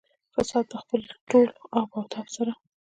فساد په خپل ټول آب او تاب سره.